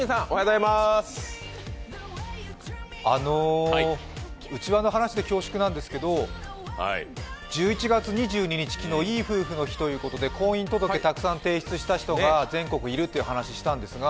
あの、内輪の話で恐縮なんですけど１１月２２日、昨日いい夫婦の日ということで婚姻届、たくさん提出した人が全国いるという話をしたんですが。